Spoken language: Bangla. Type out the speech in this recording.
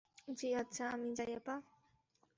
জ্বি আচ্ছা, আমি যাই আপা?